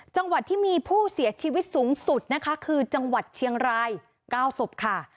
จังหวัดที่มีผู้เสียชีวิตสูงสุดนะคะคือจังหวัดเชียงราย๙ศพค่ะ